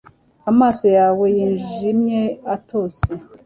Amaso yawe yijimye atose